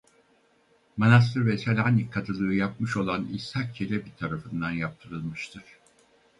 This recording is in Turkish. Manastır ve Selanik kadılığı yapmış olan İshak Çelebi tarafından yaptırılmıştır.